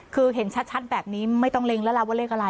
คือเห็นชัดแบบนี้ไม่ต้องเล็งแล้วล่ะว่าเลขอะไร